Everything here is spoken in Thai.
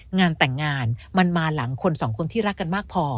งานแต่งงานมันมาหลังคนสองคนที่รักกันมากพอ